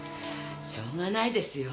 しようがないですよ。